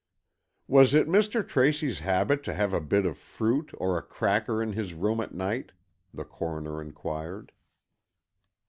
"Was it Mr. Tracy's habit to have a bit of fruit or a cracker in his room at night?" the Coroner inquired.